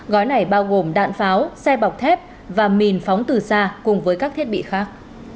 gói này bao gồm đạn pháo xe bọc thép và mìn phóng từ xa cùng với các thiết bị khác